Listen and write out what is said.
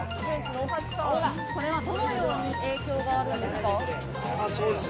どのような影響があるんですか。